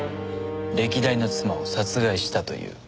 歴代の妻を殺害したという。